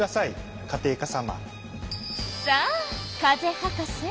さあ風博士